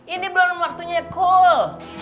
ini belum waktunya cool